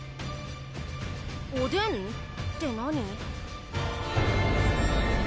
おでんって何？